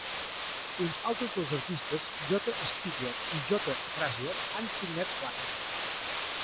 Uns altres dos artistes, J Stewart i J Frasier, han signat plaques.